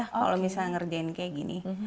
kalau misalnya ngerjain kayak gini